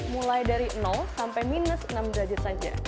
mulai dari sampai minus enam derajat saja